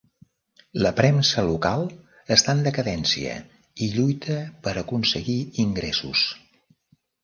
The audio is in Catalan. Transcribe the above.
La premsa local està en decadència i lluita per aconseguir ingressos.